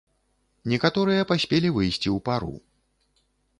Некаторыя паспелі выйсці ў пару.